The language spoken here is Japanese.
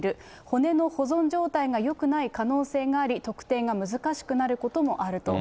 骨の保存状態がよくない可能性があり、特定が難しくなることもあると。